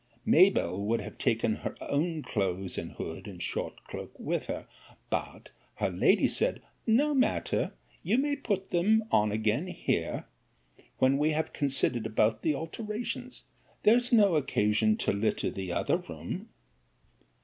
'Mabell would have taken her own clothes, and hood, and short cloak with her: but her lady said, No matter; you may put them on again here, when we have considered about the alterations: there's no occasion to litter the other room.